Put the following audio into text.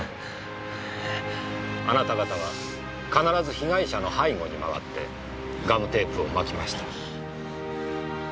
あなた方は必ず被害者の背後に回ってガムテープを巻きました。